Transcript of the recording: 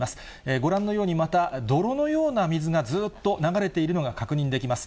ご覧のように、また泥のような水がずーっと流れているのが確認できます。